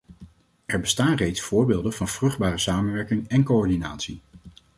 Er bestaan reeds voorbeelden van vruchtbare samenwerking en coördinatie.